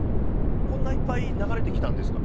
こんないっぱい流れてきたんですか？